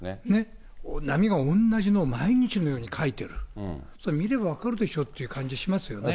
波がおんなじの、毎日のように書いてる、見れば分かるでしょって感じしますよね。